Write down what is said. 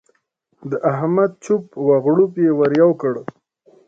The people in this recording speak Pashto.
د احمد چپ و غړوپ يې ور یو کړ.